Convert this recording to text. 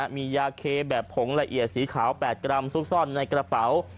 มียาเคแบบผงละเอียดสีขาว๘กรัมซุกซ่อนในกระเป๋า